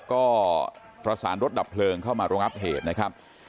ก็ประสานรถดับเพลิงเข้ามารองับเหตุนะครับ